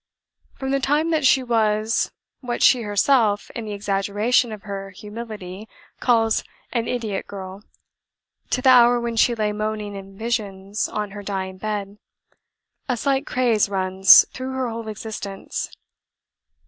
From the time that she was what she herself, in the exaggeration of her humility, calls 'an idiot girl,' to the hour when she lay moaning in visions on her dying bed, a slight craze runs through her whole existence.